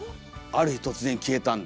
「ある日突然消えたんだ」。